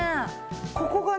ここがね